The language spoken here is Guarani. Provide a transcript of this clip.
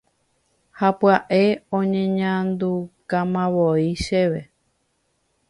Ha pya'e oñeñandukamavoi chéve.